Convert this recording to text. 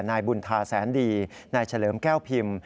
นายบุญธาแสนดีนายเฉลิมแก้วพิมพ์